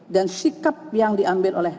dan sikap yang diambil oleh